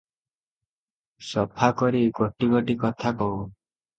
ସଫା କରି ଗୋଟି ଗୋଟି କଥା କହୁ ।